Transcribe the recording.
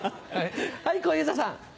はい小遊三さん。